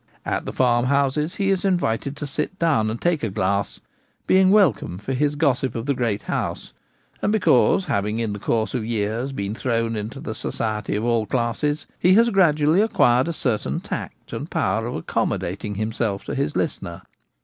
At the farm houses he is invited to sit down and take a glass, being welcome for his gossip of the great house, and because, having in the course of years been thrown into the society of all classes, he has gradually acquired a certain tact and power of accommodating himself to his listener.